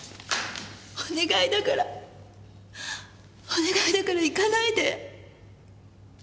お願いだからお願いだから行かないで。